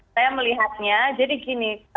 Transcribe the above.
saya melihatnya jadi gini